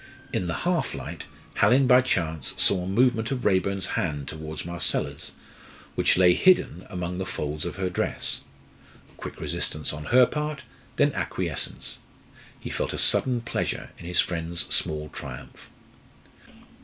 In the half light Hallin by chance saw a movement of Raeburn's hand towards Marcella's, which lay hidden among the folds of her dress quick resistance on her part, then acquiescence. He felt a sudden pleasure in his friend's small triumph.